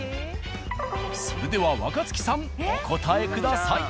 それでは若槻さんお答えください。